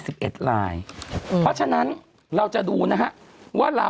เพราะฉะนั้นเราจะดูนะฮะว่าเรา